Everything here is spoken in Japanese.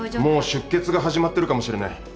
もう出血が始まってるかもしれない。